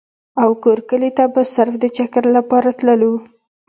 او کور کلي ته به صرف د چکر دپاره تللو ۔